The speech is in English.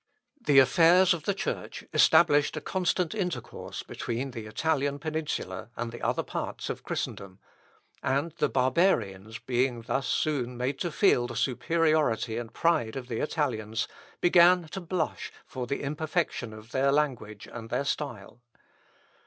The affairs of the Church established a constant intercourse between the Italian Peninsula and the other parts of Christendom, and the barbarians being thus soon made to feel the superiority and pride of the Italians, began to blush for the imperfection of their language and their style.